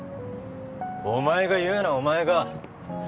お前が言うなお前が！